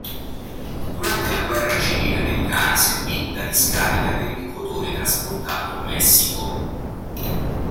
Durante la guerra civile americana servì da discarica per il cotone trasportato in Messico.